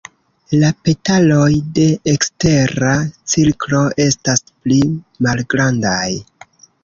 La petaloj de ekstera cirklo estas pli malgrandaj.